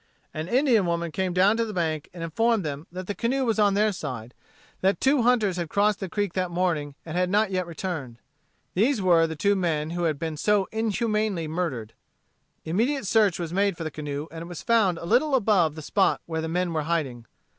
An Indian woman came down to the bank and informed them that the canoe was on their side, that two hunters had crossed the creek that morning, and had not yet returned. These were the two men who had been so inhumanly murdered. Immediate search was made for the canoe, and it was found a little above the spot where the men were hiding.